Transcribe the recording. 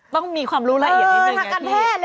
ต้องมีความรู้ละเอียดนิดหนึ่งไงพี่